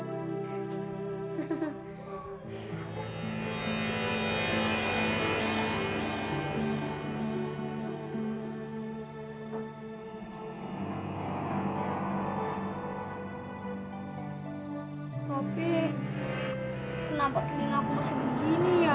kenapa keling aku masih begini ya